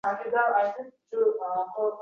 Ilgari durustg‘ina jigit edi